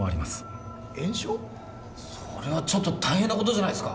それはちょっと大変な事じゃないですか！